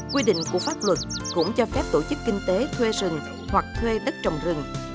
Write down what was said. quy định của pháp luật cũng cho phép tổ chức kinh tế thuê rừng hoặc thuê đất trồng rừng